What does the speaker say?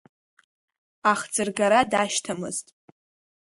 Ахӡыргара дашьҭамызт.